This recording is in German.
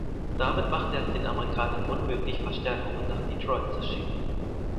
Damit machte er es den Amerikanern unmöglich, Verstärkungen nach Detroit zu schicken.